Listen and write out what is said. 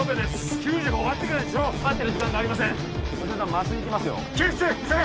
救助が終わってからにしろ待ってる時間がありません夏梅さん